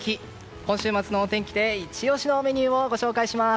今週末のお天気でイチ押しのメニューをご紹介します。